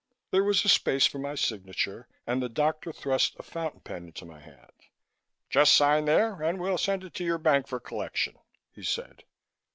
There was a space for my signature and the doctor thrust a fountain pen into my hand. "Just sign there and we'll send it to your bank for collection," he said.